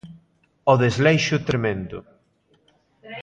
O desleixo é tremendo.